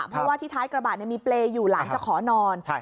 เพราะว่าที่ท้ายกระบะมีเปรย์อยู่หลังจะขอนอน